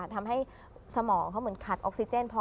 ทำให้สมองเขาเหมือนขาดออกซิเจนพอ